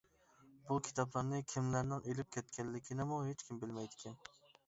بۇ كىتابلارنى كىملەرنىڭ ئېلىپ كەتكەنلىكىنىمۇ ھېچكىم بىلمەيدىكەن.